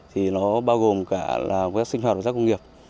thì nó bao gồm cả rác sinh hoạt và rác công nghiệp